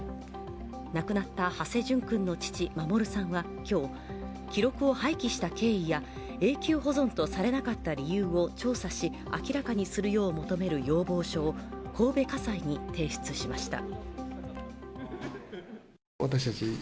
亡くなった土師淳君の父・守さんは今日、記録を廃棄した経緯や永久保存とされなかった理由を調査し、明らかにするよう求める要望書を神戸家裁に提出しました。